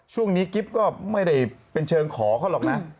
ช่วงนี้กิ๊บก็ไม่ได้เป็นเชิงขอเขาหรอกนะ